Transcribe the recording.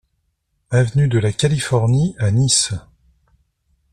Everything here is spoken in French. Avenue de la Californie à Nice